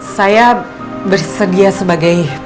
saya bersedia sebagai